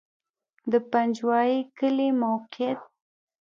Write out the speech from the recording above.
د پنجوایي کلی موقعیت